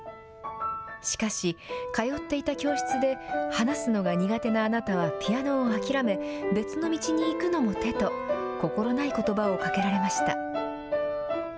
しかし、通っていた教室で、話すのが苦手なあなたはピアノを諦め、別の道に行くのも手と、心ないことばをかけられました。